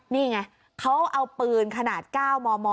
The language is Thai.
นี่ไงเขาเอาปืนขนาด๙มม